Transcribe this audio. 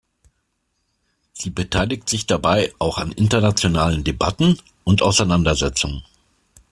Sie beteiligt sich dabei auch an internationalen Debatten und Auseinandersetzungen.